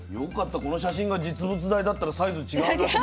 この写真が実物大だったらサイズ違うなってなるけど。